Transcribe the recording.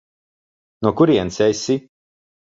No kurienes esi?